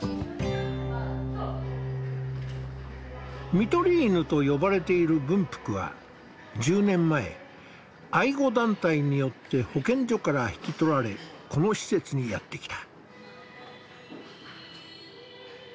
「看取り犬」と呼ばれている文福は１０年前愛護団体によって保健所から引き取られこの施設にやって来た。